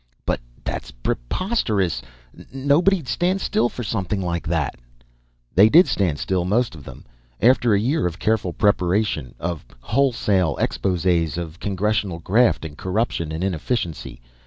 "But that's preposterous! Nobody'd stand still for something like that!" "They did stand still, most of them. After a year of careful preparation of wholesale exposes of Congressional graft and corruption and inefficiency.